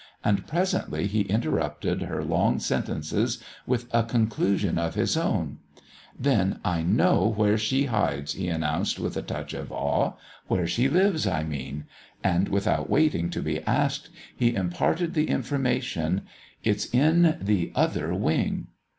And presently, he interrupted her long sentences with a conclusion of his own: "Then I know where She hides," he announced with a touch of awe. "Where She lives, I mean." And without waiting to be asked, he imparted the information: "It's in the Other Wing."